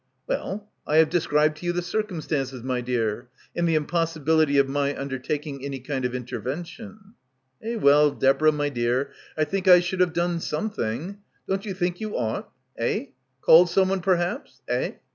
"Well, I have described to you the circum stances, my dear, and the impossibility of my un dertaking any kind of intervention." "Eh, well, Deborah my dear, I think I should have done something. Don't you think you ought? Eh? Called someone perhaps — eh?